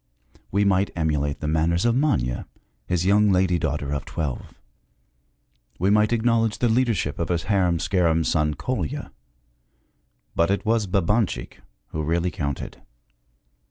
We might emulate the manners of Manya, his young lady daughter of twelve; we might acknowledge the leadership of his harum scarum son Kolya; but it was Babanchik who really counted.